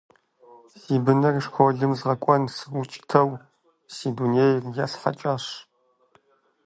Си быныр школым згъэкӀуэн сыукӀытэу си дунейр есхьэкӀащ.